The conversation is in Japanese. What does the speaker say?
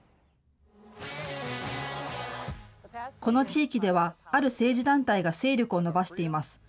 この地域では、ある政治団体が勢力を伸ばしています。